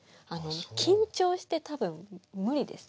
緊張して多分無理です。